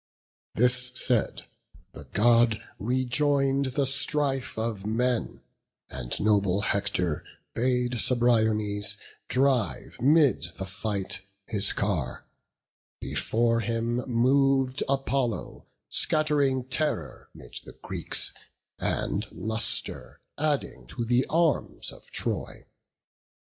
This said, the God rejoin'd the strife of men; And noble Hector bade Cebriones Drive 'mid the fight his car; before him mov'd Apollo, scatt'ring terror 'mid the Greeks, And lustre adding to the arms of Troy.